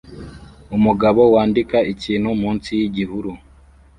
Umugabo wandika ikintu munsi yigihuru